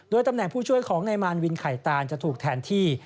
ตำแหน่งผู้ช่วยของนายมารวินไข่ตานจะถูกแทนที่